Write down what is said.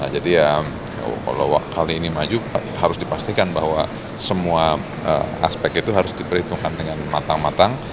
jadi kalau kali ini maju harus dipastikan bahwa semua aspek itu harus diperhitungkan dengan matang matang